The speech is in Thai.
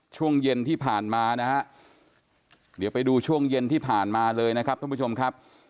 ช่วงเย็นที่ผ่านมานะฮะเดี๋ยวไปดูช่วงเย็นที่ผ่านมาเลยนะครับท่านผู้ชมครับ